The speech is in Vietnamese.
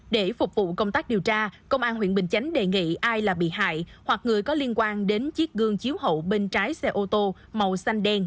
để phục vụ công tác điều tra công an huyện bình chánh đề nghị ai là bị hại hoặc người có liên quan đến chiếc gương chiếu hậu bên trái xe ô tô màu xanh đen